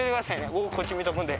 僕こっち見とくんで。